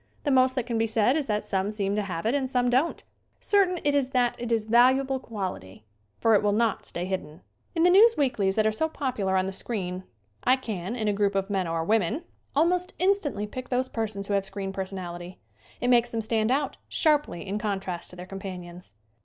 The most that can be said is that some seem to have it and some don't. Certain it is that it is valuable quality, for it will not stay hidden. In the news weeklies that are so popular on the screen I can, in a group of men or women, 88 SCREEN ACTING almost instantly pick those persons who have screen personality. It makes them stand out sharply in contrast to their companions.